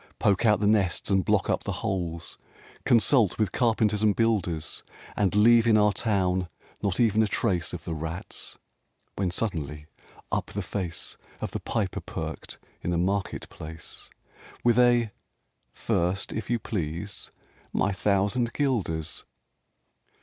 Poke out the nests and block up the holes ! Consult with carpenters and builders, And leave in our town not even a trace Of the rats!" when suddenly, up the face Of the Piper perked in the market place, With a "First, if you please, my thousand guilders!"